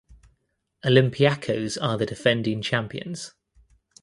Olympiacos are the defending champions.